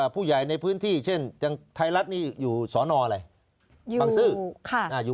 ผู้ใหญ่ในพื้นที่เช่นไทยรัฐนี่อยู่สอนออะไรบังซื้ออยู่